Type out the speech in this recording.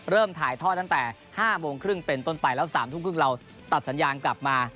ถ่ายทอดตั้งแต่๕โมงครึ่งเป็นต้นไปแล้ว๓ทุ่มครึ่งเราตัดสัญญาณกลับมา